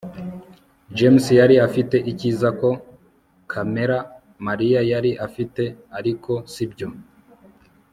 james yari afite icyiza ko kamera mariya yari afite, ariko sibyo